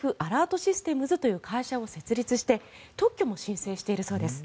・システムズという会社を設立して特許も申請しているそうです。